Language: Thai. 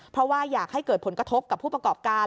เพราะว่าอยากให้เกิดผลกระทบกับผู้ประกอบการ